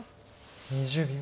２０秒。